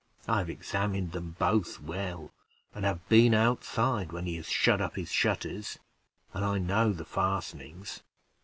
I have examined them both well, and have been outside when he has shut up his shutters, and I know the fastenings.